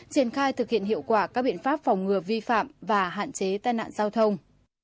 triển khai thực hiện hiệu quả các biện pháp phòng ngừa vi phạm và hạn chế tai nạn giao thông